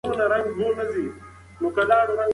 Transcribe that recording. هغه وایي چې زده کړه پر نارینه او ښځینه فرض ده.